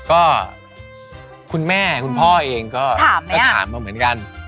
ก็คุณแม่คุณพ่อเองก็ถามมาเหมือนกัน